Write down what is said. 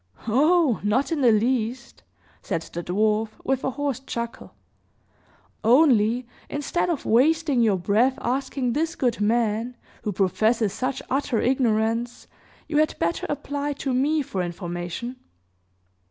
"Oh, not in the least!" said the dwarf, with a hoarse chuckle. "Only, instead of wasting your breath asking this good man, who professes such utter ignorance, you had better apply to me for information."